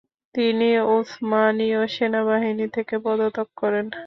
তিনি উসমানীয় সেনাবাহিনী থেকে পদত্যাগ করেন।